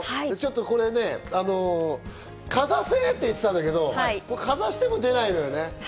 これね、かざせって言ってたんだけど、かざしても出ないのよね。